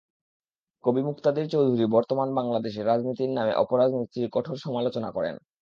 কবি মুকতাদির চৌধুরী বর্তমান বাংলাদেশে রাজনীতির নামে অপরাজনীতির কঠোর সমালোচনা করেন।